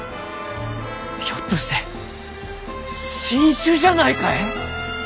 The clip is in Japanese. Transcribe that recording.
ひょっとして新種じゃないかえ？